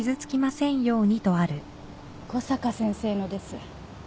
小坂先生のです。